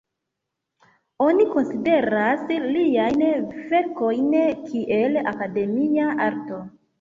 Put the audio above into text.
Oni konsideras liajn verkojn kiel akademia arto.